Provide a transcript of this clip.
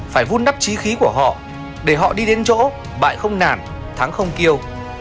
phải vun đắp trí khí của họ để họ đi đến chỗ bại không nản thắng không kêu